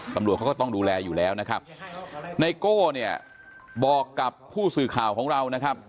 ตำรวจเขาก็ต้องดูแลอยู่แล้วนะครับไนโก้เนี่ยบอกกับผู้สื่อข่าวของเรานะครับ